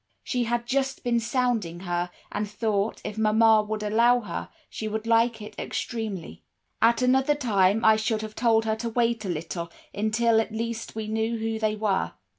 She had just been sounding her, and thought, if her mamma would allow her, she would like it extremely. "At another time I should have told her to wait a little, until, at least, we knew who they were.